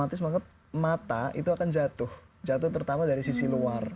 jadi semangat mata itu akan jatuh jatuh terutama dari sisi luar